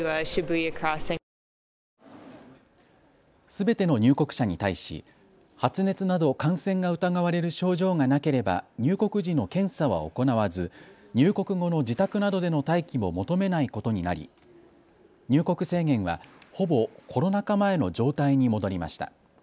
すべての入国者に対し発熱など感染が疑われる症状がなければ入国時の検査は行わず入国後の自宅などでの待機も求めないことになり入国制限は、ほぼコロナ禍前の状態に戻りました。